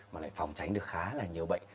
mà lại phòng tránh được khá là nhiều bệnh